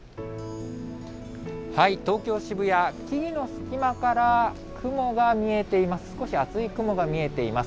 東京・渋谷、木々の隙間から雲が見えています。